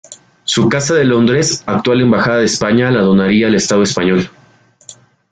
Su casa de Londres, actual Embajada de España, la donaría al Estado español.